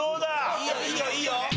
いいよいいよいいよ。